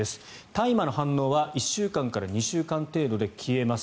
大麻の反応は１週間から２週間程度で消えます